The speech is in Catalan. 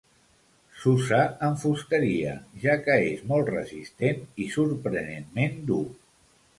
S'usa en fusteria, ja que és molt resistent i sorprenentment dur.